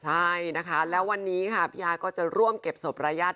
ใช่นะคะแล้ววันนี้ค่ะพี่อาก็จะร่วมเก็บศพรายญาติ